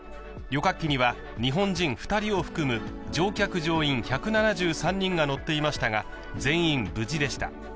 旅客機には日本人２人を含む乗客・乗員１７３人が乗っていましたが全員無事でした。